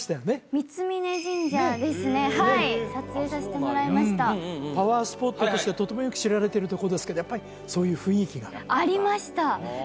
三峯神社ですねはい撮影させてもらいましたパワースポットとしてとてもよく知られてるとこですけどやっぱりそういう雰囲気がありました